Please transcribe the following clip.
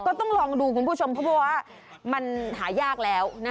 ก็ต้องลองดูคุณผู้ชมเพราะว่ามันหายากแล้ว